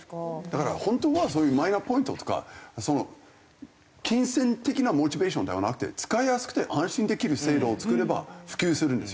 だから本当はそういうマイナポイントとか金銭的なモチベーションではなくて使いやすくて安心できる制度を作れば普及するんですよ。